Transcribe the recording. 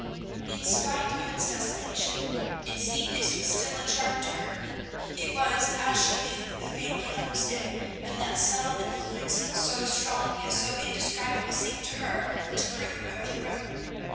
In spite of its desolation, its neatness was still a charm to her. It was, as she knew, the family homestead, and that subtile influence, so strong yet so indescribable, seemed to her to brood over the room.